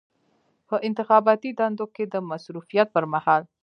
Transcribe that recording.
په انتخاباتي دندو کې د مصروفیت پر مهال.